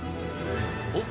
おっ！